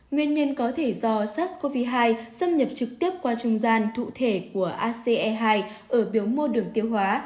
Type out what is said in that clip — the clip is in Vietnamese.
nguyên nhân có thể do sars cov hai xâm nhập trực tiếp qua trung gian thụ thể của ace hai ở biểu mô đường tiêu hóa